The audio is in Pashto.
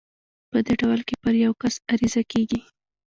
په دې ډول کې پر يو کس عريضه کېږي.